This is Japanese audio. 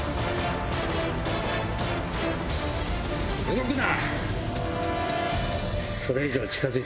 動くな！